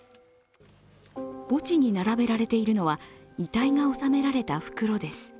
墓地に並べられているのは遺体が収められた袋です。